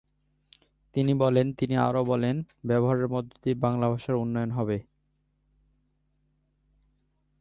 তিনি বলেন, তিনি আরও বলেন, ব্যবহারের মধ্যে দিয়েই বাংলা ভাষার উন্নয়ন হবে।